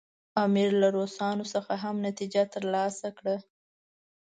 امیر له روسانو څخه هم نتیجه ترلاسه کړه.